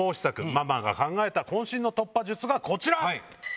ママが考えた渾身の突破術がこちら！